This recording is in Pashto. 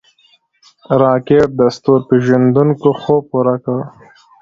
راکټ د ستورپیژندونکو خوب پوره کړ